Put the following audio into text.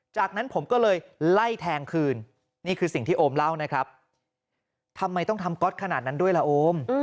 จากนั้นผมก็เลยไล่แทงคืนนี่คือสิ่งที่โอมเล่านะครับทำไมต้องทำก๊อตขนาดนั้นด้วยล่ะโอม